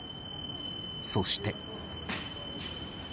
そして。